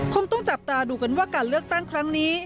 คงต้องจับตาดูกันว่าการเลือกตั้งครั้งนี้